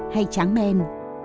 hay tráng men